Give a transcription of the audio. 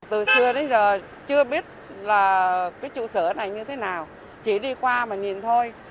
từ xưa đến giờ chưa biết là cái trụ sở này như thế nào chỉ đi qua mà nhìn thôi